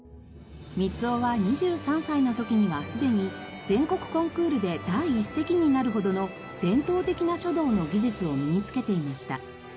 みつをは２３歳の時にはすでに全国コンクールで第一席になるほどの伝統的な書道の技術を身につけていました。